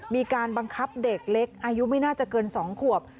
มีการบังคับเด็กเล็กอายุไม่น่าจะเกิน๒ขวบ